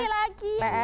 nah tuh bersih lagi